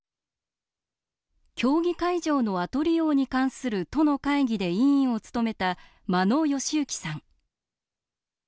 競技会場の後利用に関する都の会議で委員を務めた間野義之さん。